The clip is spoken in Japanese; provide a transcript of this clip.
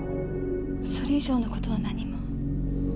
それ以上の事は何も。